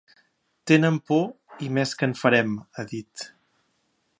Tenen por i més que en farem, ha dit.